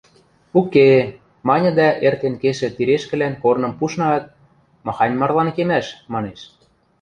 – Уке-э, – маньы дӓ, эртен кешӹ тирешкӹлӓн корным пушнаат: – Махань марлан кемӓш, – манеш.